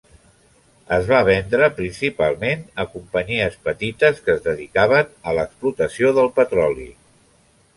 Es va vendre principalment a companyies petites que es dedicaven a l’explotació del petroli.